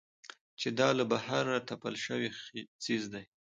چې دا له بهره تپل شوى څيز دى.